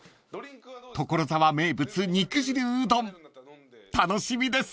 ［所沢名物肉汁うどん楽しみです］